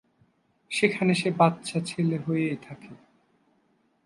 সেখানে সে বাচ্চা ছেলে হয়েই থাকে।